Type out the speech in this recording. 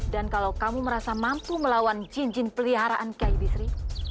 dan kalau kamu merasa mampu melawan jin jin peliharaan kiai bisri